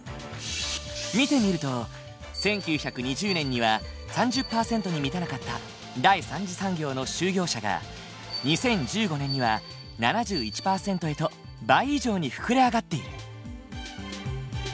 見てみると１９２０年には３０％に満たなかった第三次産業の就業者が２０１５年には７１％へと倍以上に膨れ上がっている。